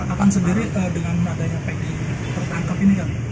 akan sendiri dengan adanya pd tertangkap ini kan